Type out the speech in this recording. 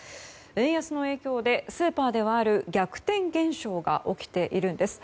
円安の影響でスーパーではある逆転現象が起きているんです。